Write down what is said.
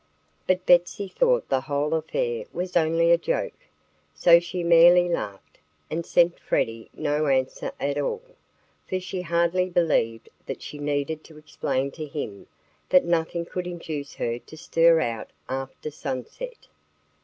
But Betsy thought the whole affair was only a joke. So she merely laughed and sent Freddie no answer at all; for she hardly believed that she needed to explain to him that nothing could induce her to stir out after sunset.